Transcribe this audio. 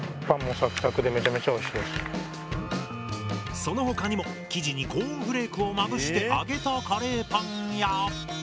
その他にも生地にコーンフレークをまぶして揚げたカレーパンや。